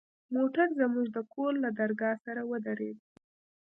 موټر زموږ د کور له درگاه سره ودرېد.